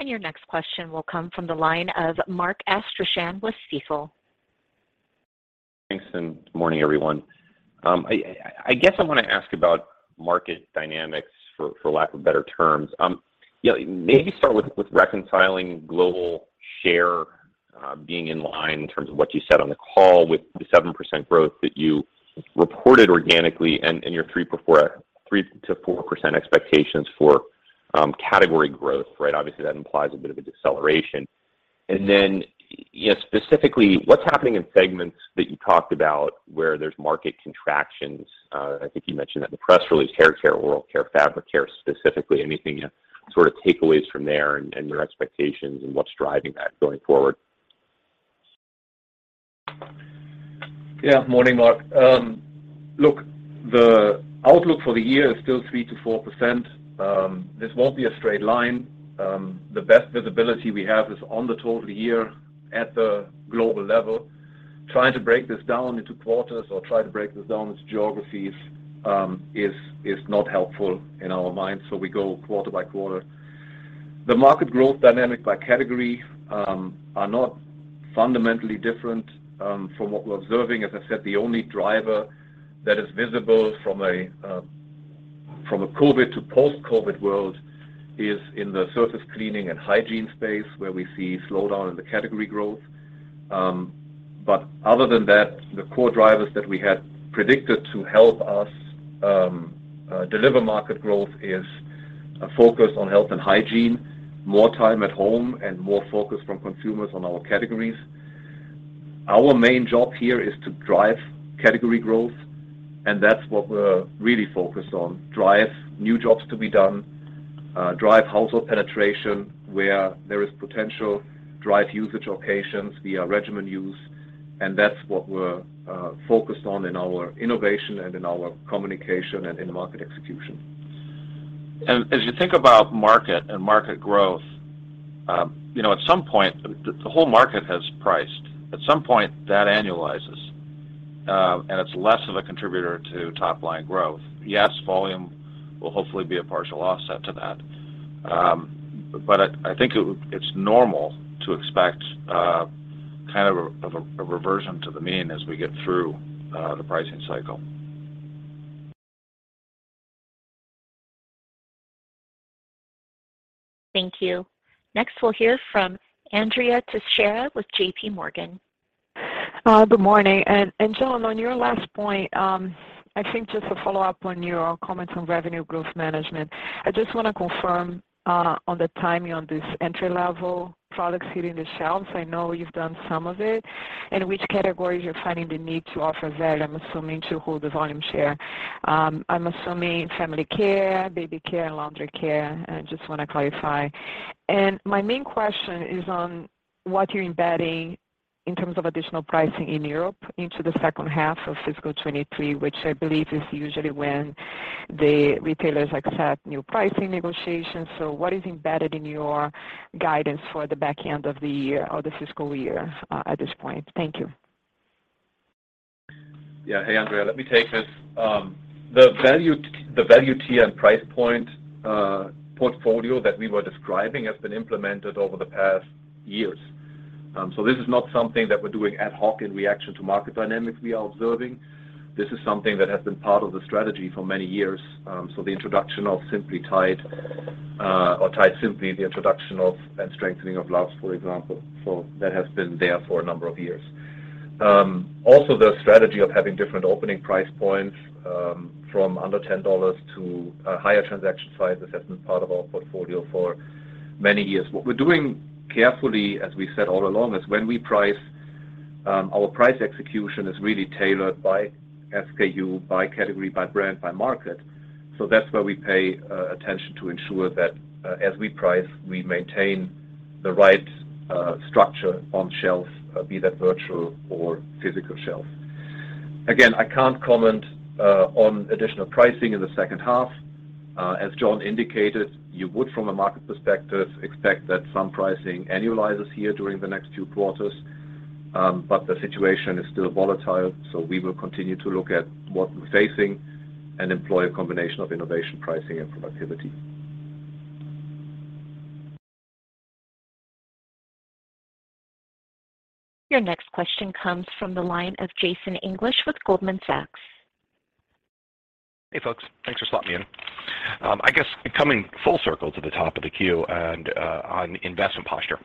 Your next question will come from the line of Mark Astrachan with Stifel. Thanks, and good morning, everyone. I guess I wanna ask about market dynamics, for lack of better terms. Yeah, maybe start with reconciling global share being in line in terms of what you said on the call with the 7% growth that you reported organically and your 3%-4% expectations for category growth, right? Obviously, that implies a bit of a deceleration. You know, specifically, what's happening in segments that you talked about where there's market contractions? I think you mentioned that in the press release, Hair Care, Oral Care, Fabric Care, specifically. Anything sort of takeaways from there and your expectations and what's driving that going forward? Yeah. Morning, Mark. Look, the outlook for the year is still 3%-4%. This won't be a straight line. The best visibility we have is on the total year at the global level. Trying to break this down into quarters or trying to break this down into geographies is not helpful in our minds, so we go quarter by quarter. The market growth dynamic by category are not fundamentally different from what we're observing. As I said, the only driver that is visible from a COVID to post-COVID world is in the surface cleaning and hygiene space, where we see slowdown in the category growth. Other than that, the core drivers that we had predicted to help us deliver market growth is a focus on health and hygiene, more time at home, and more focus from consumers on our categories. Our main job here is to drive category growth, and that's what we're really focused on, drive new jobs to be done, drive household penetration where there is potential, drive usage occasions via regimen use, and that's what we're focused on in our innovation and in our communication and in-market execution. As you think about market and market growth, you know, at some point, the whole market has priced. At some point, that annualizes, and it's less of a contributor to top-line growth. Yes, volume will hopefully be a partial offset to that. I think it's normal to expect kind of a reversion to the mean as we get through the pricing cycle. Thank you. Next, we'll hear from Andrea Teixeira with JP Morgan. Good morning. Jon, on your last point, I think just to follow up on your comments on revenue growth management. I just wanna confirm on the timing on these entry-level products hitting the shelves. I know you've done some of it. Which categories you're finding the need to offer that, I'm assuming, to hold the volume share. I'm assuming Family Care, Baby Care, and Fabric Care. I just wanna clarify. My main question is on what you're embedding in terms of additional pricing in Europe into the second half of fiscal 2023, which I believe is usually when the retailers accept new pricing negotiations. What is embedded in your guidance for the back end of the year or the fiscal year, at this point? Thank you. Yeah. Hey, Andrea. Let me take this. The value tier and price point portfolio that we were describing has been implemented over the past years. This is not something that we're doing ad hoc in reaction to market dynamics we are observing. This is something that has been part of the strategy for many years. The introduction of Tide Simply and strengthening of Luvs, for example. That has been there for a number of years. Also the strategy of having different opening price points from under $10 to a higher transaction size. This has been part of our portfolio for many years. What we're doing carefully, as we said all along, is when we price our price execution is really tailored by SKU, by category, by brand, by market. That's where we pay attention to ensure that, as we price, we maintain the right structure on shelf, be that virtual or physical shelf. Again, I can't comment on additional pricing in the second half. As Jon indicated, you would, from a market perspective, expect that some pricing annualizes here during the next few quarters. The situation is still volatile, so we will continue to look at what we're facing and employ a combination of innovation, pricing, and productivity. Your next question comes from the line of Jason English with Goldman Sachs. Hey, folks. Thanks for slotting me in. I guess coming full circle to the top of the queue and on investment posture.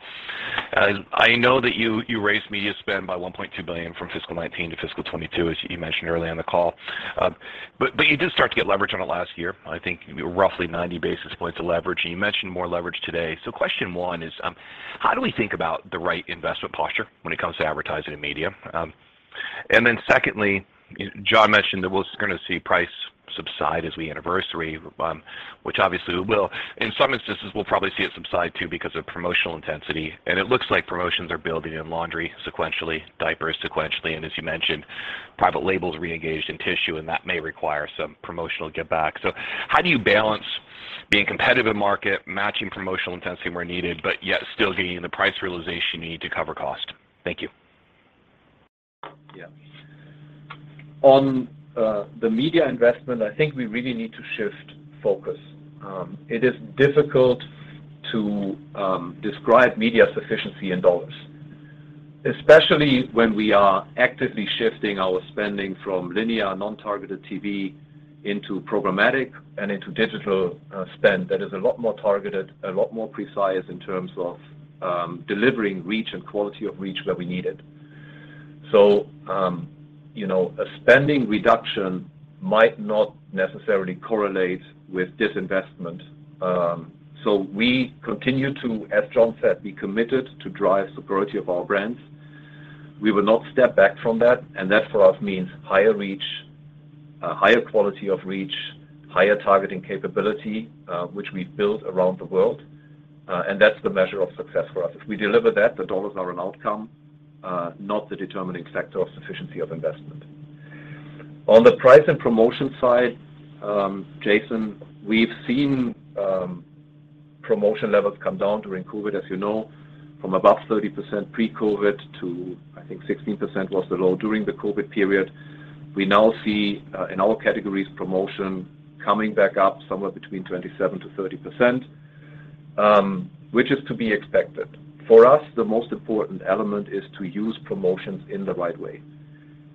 I know that you raised media spend by $1.2 billion from fiscal 2019 to fiscal 2022, as you mentioned early on the call. You did start to get leverage on it last year. I think roughly 90 basis points of leverage, and you mentioned more leverage today. Question one is, how do we think about the right investment posture when it comes to advertising and media? Secondly, Jon mentioned that we're gonna see price subside as we anniversary, which obviously we will. In some instances, we'll probably see it subside too because of promotional intensity, and it looks like promotions are building in laundry sequentially, diapers sequentially, and as you mentioned, private labels reengaged in tissue, and that may require some promotional giveback. How do you balance being competitive in market, matching promotional intensity where needed, but yet still getting the price realization you need to cover cost? Thank you. Yeah. On the media investment, I think we really need to shift focus. It is difficult to describe media sufficiency in dollars, especially when we are actively shifting our spending from linear non-targeted TV into programmatic and into digital spend that is a lot more targeted, a lot more precise in terms of delivering reach and quality of reach where we need it. You know, a spending reduction might not necessarily correlate with disinvestment. We continue to, as Jon said, be committed to drive superiority of our brands. We will not step back from that, and that for us means higher reach, higher quality of reach, higher targeting capability, which we built around the world, and that's the measure of success for us. If we deliver that, the dollars are an outcome, not the determining factor of sufficiency of investment. On the price and promotion side, Jason, we've seen promotion levels come down during COVID, as you know, from above 30% pre-COVID to, I think, 16% was the low during the COVID period. We now see in all categories, promotion coming back up somewhere between 27%-30%, which is to be expected. For us, the most important element is to use promotions in the right way.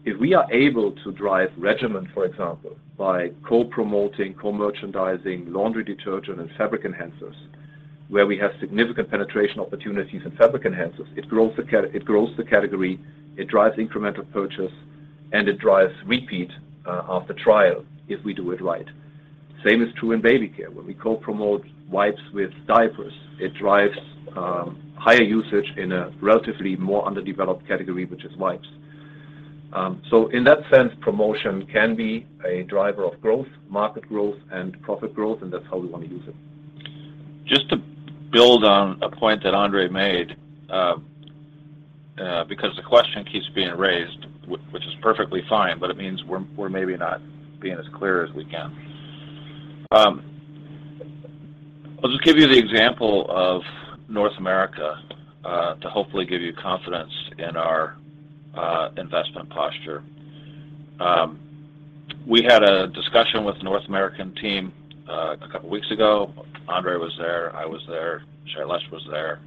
If we are able to drive regimen, for example, by co-promoting, co-merchandising laundry detergent and fabric enhancers where we have significant penetration opportunities in fabric enhancers, it grows the category, it drives incremental purchase, and it drives repeat after trial if we do it right. Same is true in Baby Care. When we co-promote wipes with diapers, it drives higher usage in a relatively more underdeveloped category, which is wipes. In that sense, promotion can be a driver of growth, market growth, and profit growth, and that's how we wanna use it. Just to build on a point that Andre made, because the question keeps being raised which is perfectly fine, but it means we're maybe not being as clear as we can. I'll just give you the example of North America, to hopefully give you confidence in our investment posture. We had a discussion with the North American team, a couple weeks ago. Andre was there, I was there, Shailesh was there.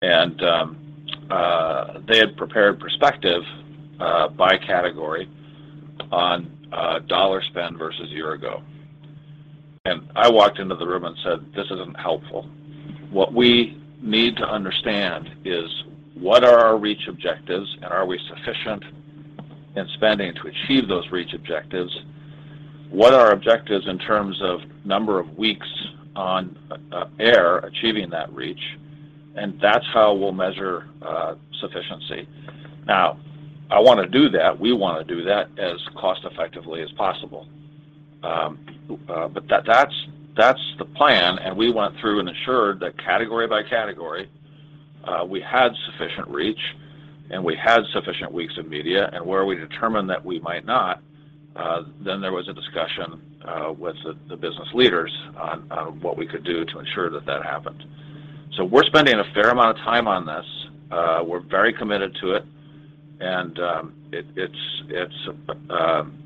They had prepared perspective, by category on dollar spend versus year-ago. I walked into the room and said, "This isn't helpful. What we need to understand is what are our reach objectives, and are we sufficient in spending to achieve those reach objectives? What are our objectives in terms of number of weeks on air achieving that reach? That's how we'll measure sufficiency. Now, I wanna do that. We wanna do that as cost-effectively as possible. That's the plan, and we went through and assured that category by category we had sufficient reach, and we had sufficient weeks of media. Where we determined that we might not, there was a discussion with the business leaders on what we could do to ensure that that happened. We're spending a fair amount of time on this. We're very committed to it, and it's frustrating,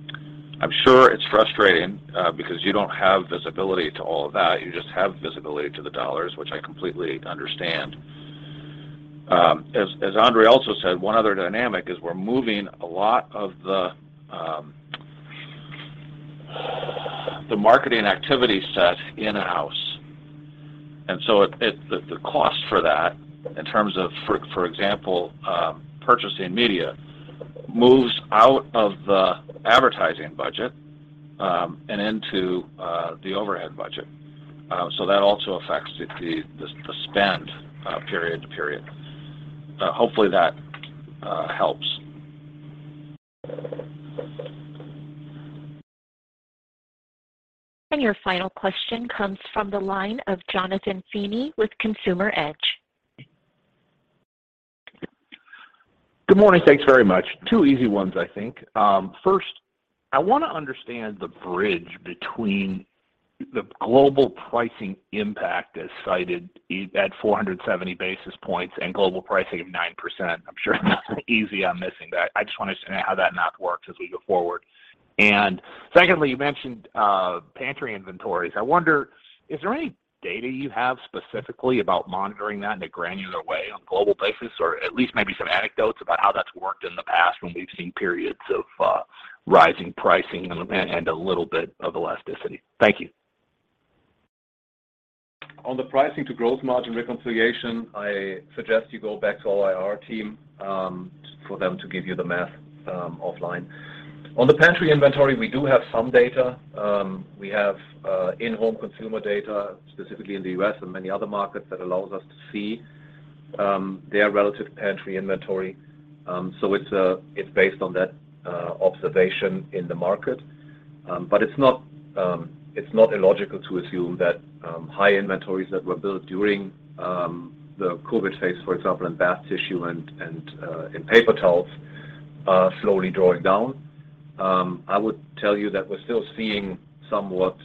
I'm sure, because you don't have visibility to all of that. You just have visibility to the dollars, which I completely understand. As Andre also said, one other dynamic is we're moving a lot of the marketing activity set in-house. The cost for that in terms of, for example, purchasing media moves out of the advertising budget and into the overhead budget. That also affects the spend period to period. Hopefully that helps. Your final question comes from the line of Jonathan Feeney with Consumer Edge. Good morning. Thanks very much. Two easy ones, I think. First, I wanna understand the bridge between the global pricing impact as cited at 470 basis points and global pricing of 9%. I'm sure that's easy. I'm missing that. I just wanna understand how that math works as we go forward. Secondly, you mentioned pantry inventories. I wonder, is there any data you have specifically about monitoring that in a granular way on a global basis? Or at least maybe some anecdotes about how that's worked in the past when we've seen periods of rising pricing and a little bit of elasticity. Thank you. On the pricing to growth margin reconciliation, I suggest you go back to our IR team for them to give you the math offline. On the pantry inventory, we do have some data. We have in-home consumer data, specifically in the U.S. and many other markets, that allows us to see their relative pantry inventory. It's based on that observation in the market. It's not illogical to assume that high inventories that were built during the COVID phase, for example, in bath tissue and in paper towels, are slowly drawing down. I would tell you that we're still seeing somewhat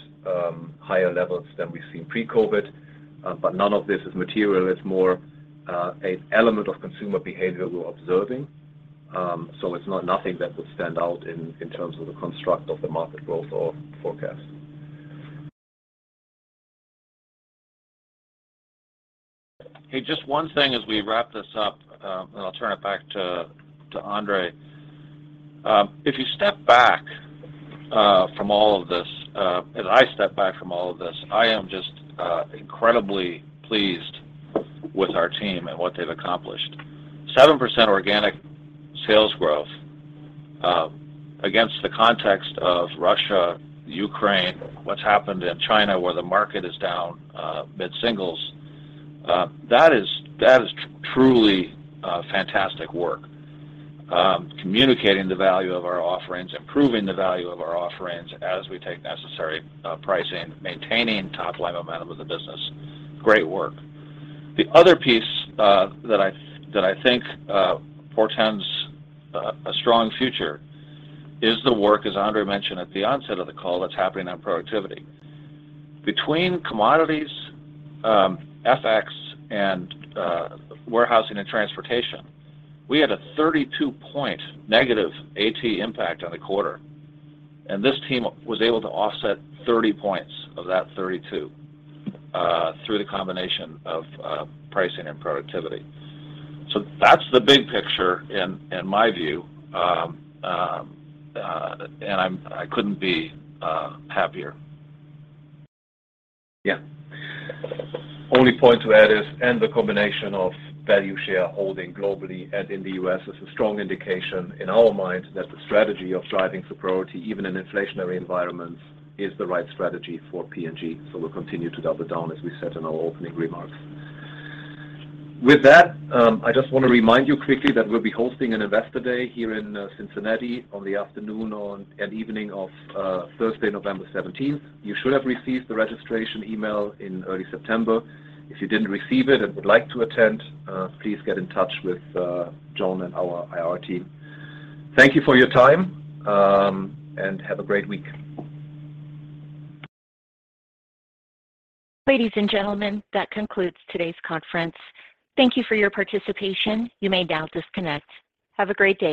higher levels than we've seen pre-COVID, but none of this is material. It's more an element of consumer behavior we're observing. It's not nothing that would stand out in terms of the construct of the market growth or forecast. Hey, just one thing as we wrap this up, and I'll turn it back to Andre. If you step back from all of this, as I step back from all of this, I am just incredibly pleased with our team and what they've accomplished. 7% organic sales growth, against the context of Russia, Ukraine, what's happened in China, where the market is down mid-singles. That is truly fantastic work. Communicating the value of our offerings, improving the value of our offerings as we take necessary pricing, maintaining top-line momentum of the business. Great work. The other piece that I think portends a strong future is the work, as Andre mentioned at the onset of the call, that's happening on productivity. Between commodities, FX and warehousing and transportation, we had a 32-point negative AT impact on the quarter, and this team was able to offset 30 points of that 32 through the combination of pricing and productivity. That's the big picture in my view, and I couldn't be happier. Yeah. Only point to add is the combination of value shareholding globally and in the US is a strong indication in our mind that the strategy of driving for superiority, even in inflationary environments, is the right strategy for P&G. We'll continue to double down as we said in our opening remarks. With that, I just wanna remind you quickly that we'll be hosting an investor day here in Cincinnati on the afternoon and evening of Thursday, November seventeenth. You should have received the registration email in early September. If you didn't receive it and would like to attend, please get in touch with John and our IR team. Thank you for your time and have a great week. Ladies and gentlemen, that concludes today's conference. Thank you for your participation. You may now disconnect. Have a great day.